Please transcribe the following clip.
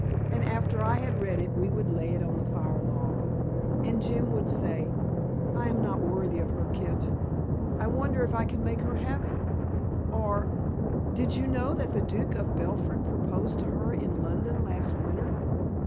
And after I had read it we would lay it on the firelog, and Jim would say, "I am not worthy of her, Kit. I wonder if I can make her happy?" Or "Did you know that the Duke of Belford proposed to her in London last winter?"